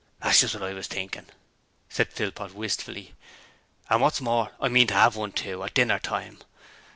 'That's just what I was thinkin',' said Philpot, wistfully, 'and what's more, I mean to 'ave one, too, at dinner time.